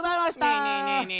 ねえねえねえねえ